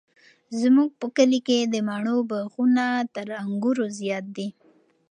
زموږ په کلي کې د مڼو باغونه تر انګورو زیات دي.